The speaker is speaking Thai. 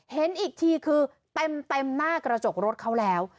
เห็นอีกทีคือเต็มหน้ากระจกรถเขาแล้ว